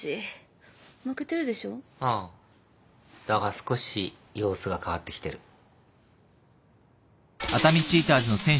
だが少し様子が変わってきてる。